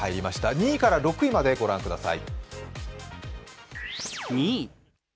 ２位から６位までご覧ください。